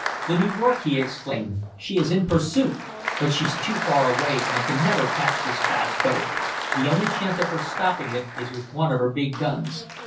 "The New York!" he exclaimed. "She is in pursuit! But she's too far away, and can never catch this fast boat. The only chance of her stopping it is with one of her big guns."